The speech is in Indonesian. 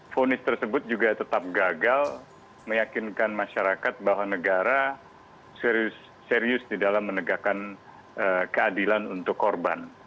fonis tersebut juga tetap gagal meyakinkan masyarakat bahwa negara serius di dalam menegakkan keadilan untuk korban